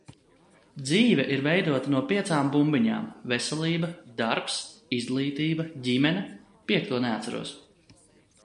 Dzīve ir veidota no piecām bumbiņām - veselība, darbs, izglītība, ģimene, piekto neatceros.